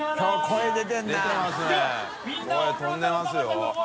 声飛んでますよ。